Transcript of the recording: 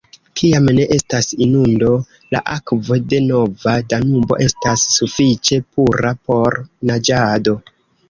Kiam ne estas inundo, la akvo de Nova Danubo estas sufiĉe pura por naĝado.